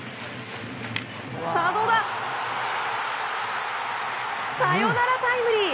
サヨナラタイムリー！